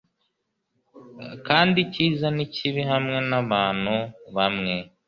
Kandi icyiza nikibi hamwe nabantu bamwe